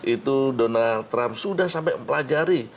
itu donald trump sudah sampai mempelajari